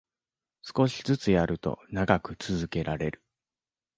少しずつやると長く続けられる